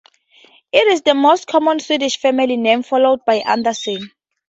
It is the most common Swedish family name, followed by Andersson.